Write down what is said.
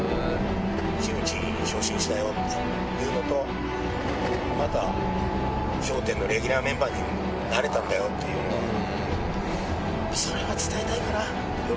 真打ちに昇進したよっていうのと、あとは笑点のレギュラーメンバーになれたんだよっていうのは、それは伝えたいかな。